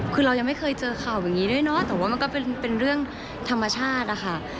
คือเรายังไม่เคยเจอข่าวอย่างนี้ด้วยเนาะแต่ว่ามันก็เป็นเรื่องธรรมชาติอะค่ะ